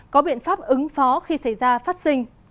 có biện pháp ứng phó khi xảy ra phát sinh